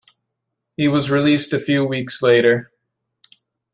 He was released a few weeks later.